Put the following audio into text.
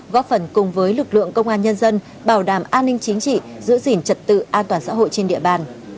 góp phần cùng với lực lượng công an nhân dân bảo đảm an ninh chính trị giữ gìn trật tự an toàn xã hội trên địa bàn